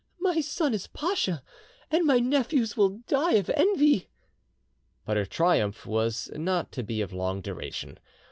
"My son is pacha! and my nephews will die of envy!" But her triumph was not to be of long duration.